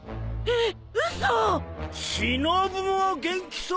えっ！？